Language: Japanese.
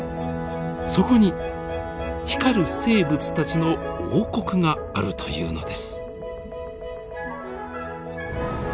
そこに光る生物たちの王国があるというのです。